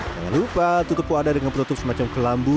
jangan lupa tutup wadah dengan penutup semacam kelambu